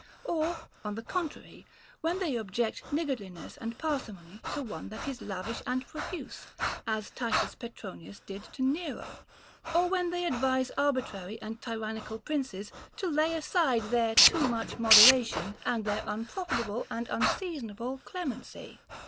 Or, on the contrary, when they object niggardliness and parsi mony to one that is lavish and profuse, as Titus Petronius did to Nero. Or when they advise arbitrary and tyranni cal princes to lay aside their too much moderation and their unprofitable and unseasonable clemency.